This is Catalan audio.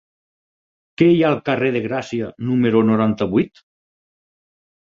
Què hi ha al carrer de Gràcia número noranta-vuit?